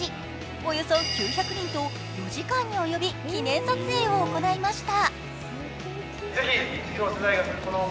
およそ９００人と４時間に及び記念撮影を行いました。